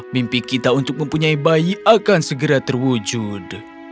mimpi kita untuk mempunyai bayi akan segera terwujud